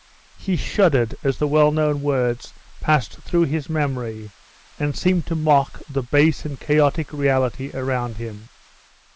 He shuddered as the well known words passed through his memory, and seemed to mock the base and chaotic reality around him.